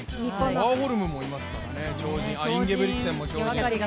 ワーホルムもいますからね、インゲブリクセンも超人。